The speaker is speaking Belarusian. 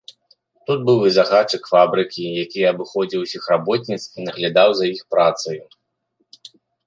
Тут быў і загадчык фабрыкі, які абыходзіў усіх работніц і наглядаў за іх працаю.